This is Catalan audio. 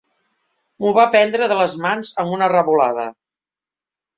M'ho va prendre de les mans amb una revolada.